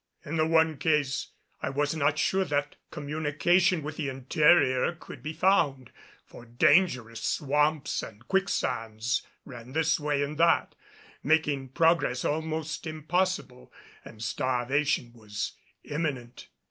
In the one case I was not sure that communication with the interior could be found, for dangerous swamps and quicksands ran this way and that, making progress almost impossible; and starvation was imminent.